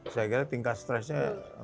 saya kira tingkat stresnya